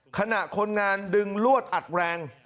ขณะคนงานดึงลวดอัดแรง